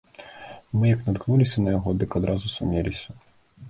Мы як наткнуліся на яго, дык адразу сумеліся.